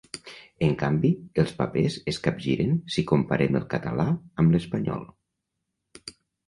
En canvi, els papers es capgiren si comparem el català amb l'espanyol.